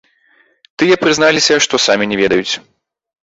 Тыя прызналіся, што самі не ведаюць.